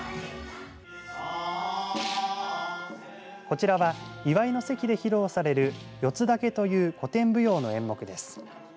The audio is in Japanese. こちらは祝いの席で披露される四つ竹という古典舞踊の演目です。